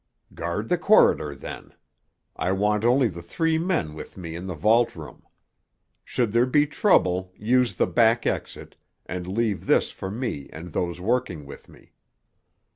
"Guard the corridor, then. I want only the three men with me in the vault room. Should there be trouble, use the back exit, and leave this for me and those working with me."